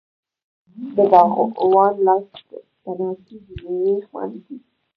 د باغوان لاس تڼاکې د میوې خوند دی.